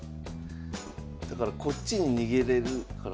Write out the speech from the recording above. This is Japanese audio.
だからこっちに逃げれるから。